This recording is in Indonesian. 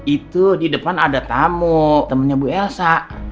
itu di depan ada tamu temannya bu elsa